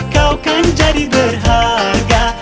kau kan jadi berharga